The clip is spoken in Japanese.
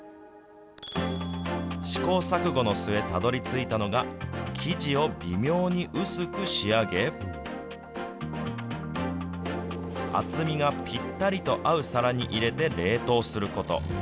試行錯誤の末、たどりついたのが、生地を微妙に薄く仕上げ、厚みがぴったりと合う皿に入れて冷凍すること。